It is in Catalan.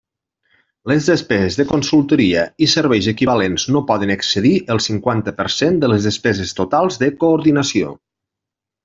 Les despeses de consultoria i serveis equivalents no poden excedir el cinquanta per cent de les despeses totals de coordinació.